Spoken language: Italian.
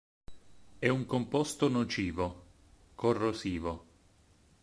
È un composto nocivo, corrosivo.